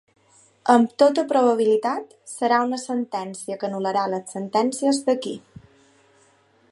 Amb tota probabilitat, serà una sentència que anul·larà les sentències d’aquí.